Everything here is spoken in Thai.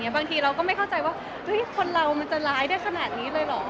บางทีเราก็ไม่เข้าใจว่าคนเรามันจะร้ายได้ขนาดนี้เลยเหรอ